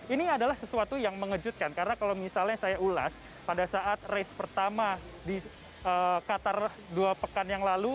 ini adalah sesuatu yang mengejutkan karena kalau misalnya saya ulas pada saat race pertama di qatar dua pekan yang lalu